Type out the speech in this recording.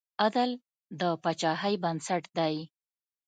عدل د پاچاهۍ بنسټ دی.